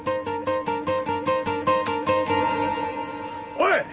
おい！